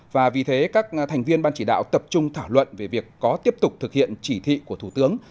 và vì thế các thành viên ban chỉ đạo tập trung thảo luận về việc có tiếp tục thực hiện chỉ thị của thủ tướng